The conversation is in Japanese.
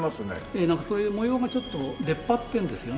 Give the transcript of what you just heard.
なんかそういう模様がちょっと出っ張ってるんですよね。